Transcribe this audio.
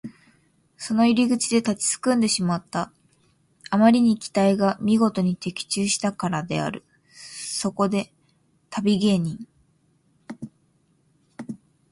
その入り口で立ちすくんでしまった。あまりに期待がみごとに的中したからである。そこで旅芸人